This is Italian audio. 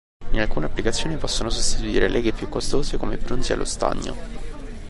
In alcune applicazioni possono sostituire leghe più costose, come i bronzi allo stagno.